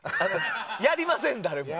やりません、誰も。